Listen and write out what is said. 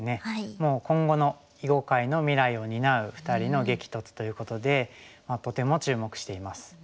もう今後の囲碁界の未来を担う２人の激突ということでとても注目しています。